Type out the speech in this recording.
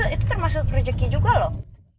itu termasuk rezeki juga loh